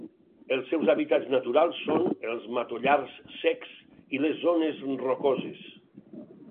Els seus hàbitats naturals són els matollars secs i les zones rocoses.